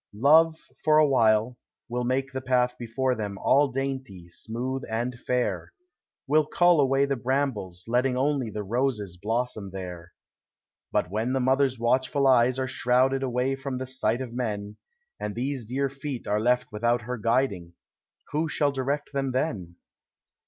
Love, for a while, will make the path before them All dainty, smooth, and fair, — Will cull away the brambles, letting only The roses blossom there. But when the mother's watchful eyes are shrouded Away from sight of men. And these dear feet are left without her guiding, Who shall direct them then?